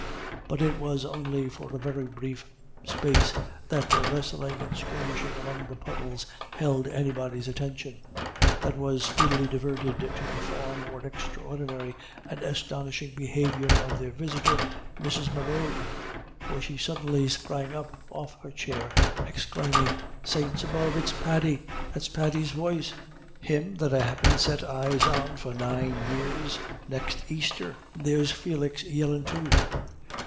But it was only for a very brief space that their wrestling and skirmishing among the puddles held anybody's attention. That was speedily diverted to the far more extraordinary and astonishing behaviour of their visitor, Mrs. Morrough. For she suddenly sprang up off her chair, exclaiming, "Saints above it's Paddy that's Paddy's voice him that I haven't set eyes on for nine year next Easter and there's Felix yellin' too!